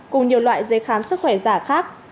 cùng nhiều loại giấy khám sức khỏe giả khác